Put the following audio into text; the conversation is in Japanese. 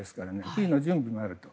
冬の準備もあると。